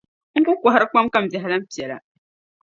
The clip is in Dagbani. N ku kɔhiri kpam ka m biɛhi lan piɛla.